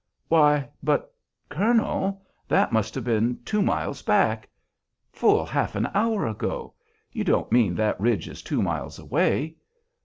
"Why, but, colonel! that must have been two miles back, full half an hour ago: you don't mean that ridge is two miles away?